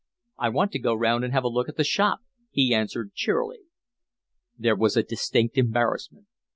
"I want to go round and have a look at the shop," he answered cheerfully. There was a distinct embarrassment.